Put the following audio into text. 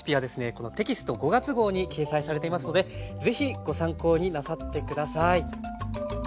このテキスト５月号に掲載されていますので是非ご参考になさって下さい。